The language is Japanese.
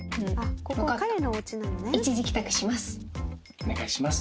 お願いします！